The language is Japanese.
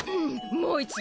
もう一度。